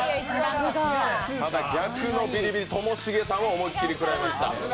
ただ、逆のビリビリ、ともしげさんは思いっきりくらいました。